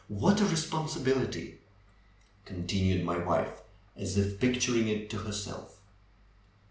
What a responsibility !" continued my wife, as if picturing it to herself.